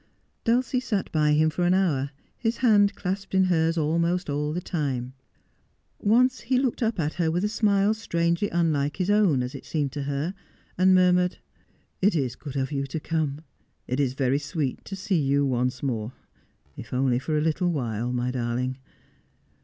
Dulcie sat by him for an hour, his hand clasped in hers almost all the time. Once he looked up at her with a smile strangely unlike his own, as it seemed to her, and murmured, ' It is good of you to come ; it is very sweet to see you once more, if only for a little while, my darling.